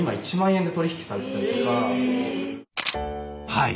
はい。